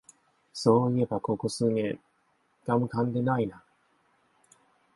そういえばここ数年ガムかんでないな